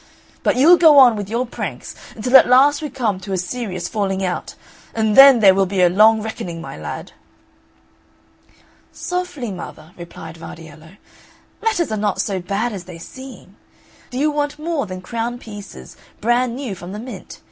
But you'll go on with your pranks until at last we come to a serious falling out, and then there will be a long reckoning, my lad!" "Softly, mother," replied Vardiello, "matters are not so bad as they seem; do you want more than crown pieces brand new from the mint?